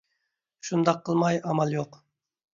شۇنداق قىلماي ئامال يوق!